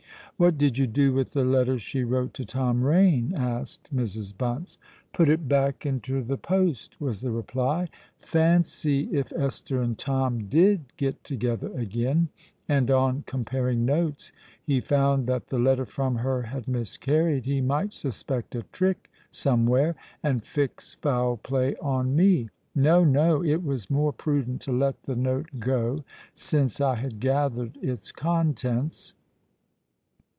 "What did you do with the letter she wrote to Tom Rain?" asked Mrs. Bunce. "Put it back into the post," was the reply. "Fancy if Esther and Tom did get together again, and, on comparing notes, he found that the letter from her had miscarried, he might suspect a trick somewhere, and fix foul play on me. No—no: it was more prudent to let the note go, since I had gathered its contents."